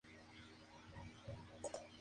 Es un programa libre y gratuito.